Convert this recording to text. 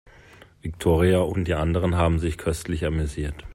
Viktoria und die anderen haben sich köstlich amüsiert.